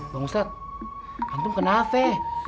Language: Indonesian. bang ustadz hantu kenapa